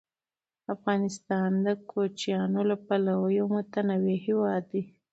افغانستان د کوچیانو له پلوه یو متنوع هېواد دی.